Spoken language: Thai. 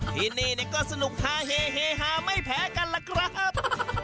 ที่นี่ก็สนุกฮาเฮฮาไม่แพ้กันล่ะครับ